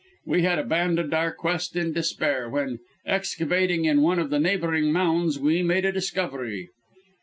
We had abandoned our quest in despair, when, excavating in one of the neighbouring mounds, we made a discovery."